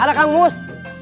ada kang mus